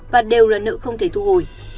và đều là nợ không thể thu hồi